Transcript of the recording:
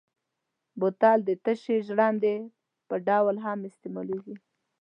بوتل د تشې ژرندې په ډول هم استعمالېږي.